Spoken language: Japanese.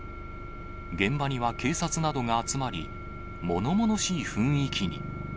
現場には警察などが集まり、ものものしい雰囲気に。